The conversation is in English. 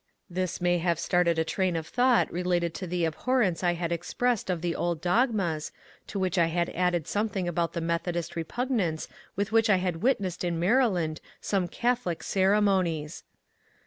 This may have started a train of thought related to the abhorrence I had expressed of the old dogmas, to which I had added something about the Methodist repugnance with which I had witnessed in Maryland some Catholic cere monies.